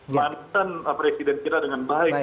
mantan presiden kita dengan baik